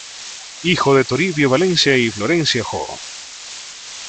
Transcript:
Hijo de Toribio Valencia y Florencia Joo.